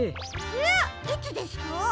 えっいつですか？